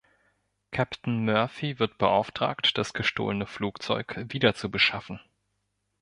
Captain Murphy wird beauftragt, das gestohlene Flugzeug wiederzubeschaffen.